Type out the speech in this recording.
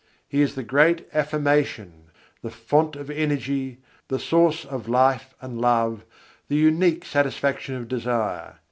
He is the Great Affirmation, the font of energy, the source of life and love, the unique satisfaction of desire.